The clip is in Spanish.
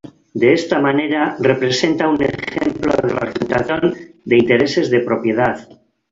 De esta manera, representa un ejemplo de fragmentación de intereses de propiedad.